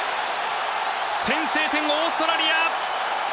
先制点、オーストラリア！